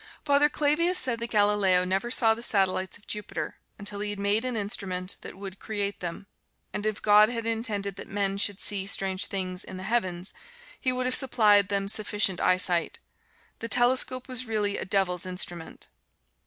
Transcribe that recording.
Father Clavius said that Galileo never saw the satellites of Jupiter until he had made an instrument that would create them; and if God had intended that men should see strange things in the heavens, He would have supplied them sufficient eyesight. The telescope was really a devil's instrument.